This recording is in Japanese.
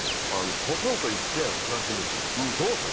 ポツンと一軒家の暮らし向きうんどうですか？